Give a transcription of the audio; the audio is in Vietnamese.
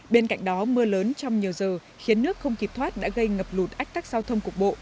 bên cạnh đó mưa lớn trong nhiều giờ khiến nước không kịp thoát đã gây ngập lụt ách tắc giao thông cục bộ